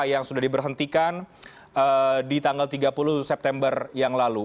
yang sudah diberhentikan di tanggal tiga puluh september yang lalu